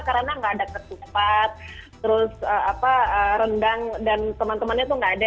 karena nggak ada ketupat rendang dan teman temannya itu nggak ada